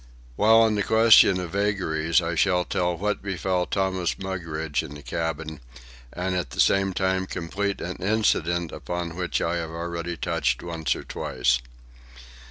While on the question of vagaries, I shall tell what befell Thomas Mugridge in the cabin, and at the same time complete an incident upon which I have already touched once or twice.